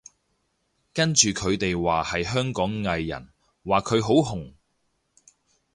跟住佢哋話係香港藝人，話佢好紅